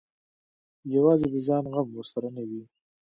یوازې د ځان غم ورسره نه وي.